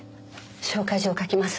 紹介状を書きます。